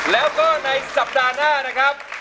แล้วก็ในสัปดาห์หน้านะครับ